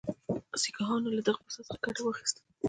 سیکهانو له دغه فرصت څخه ګټه واخیستله.